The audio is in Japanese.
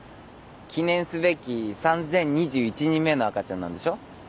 記念すべき３，０２１人目の赤ちゃんなんでしょう？